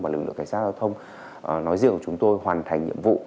và lực lượng cảnh sát giao thông nói riêng chúng tôi hoàn thành nhiệm vụ